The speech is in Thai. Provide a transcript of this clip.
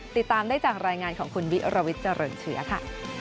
ติดตามได้จากรายงานของคุณวิรวิทย์เจริญเชื้อค่ะ